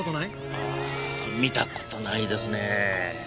ああ見た事ないですねぇ。